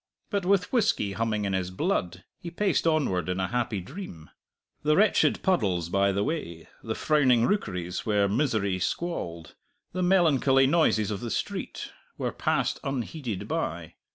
But with whisky humming in his blood he paced onward in a happy dream. The wretched puddles by the way, the frowning rookeries where misery squalled, the melancholy noises of the street, were passed unheeded by.